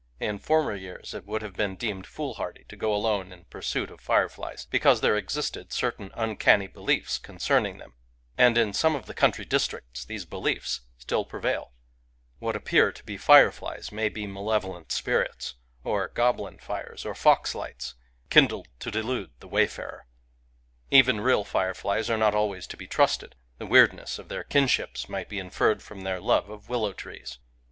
In former years it would have Digitized by Googk FIREFLIES 153 been deemed foolhardy to go alone in pursuit of fireflies, because there existed certain uncanny be liefs concerning them. And in some of the coun try districts these beliefs still prevail. What appear to be fireflies may be malevolent spirits, or goblin fires, or fox lights, kindled to delude the wayfarer. Even real fireflies are not always to be trusted; — the weirdness of their kinships might be inferred from their love of willow trees.